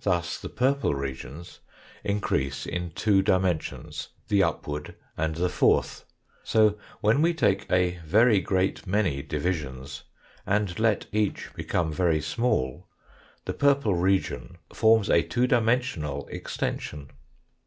Thus the purple regions increase in two dimensions, the upward and the fourth, so when we take a very great many divisions, and let each become very small, the purple region forms a two dimensional extension.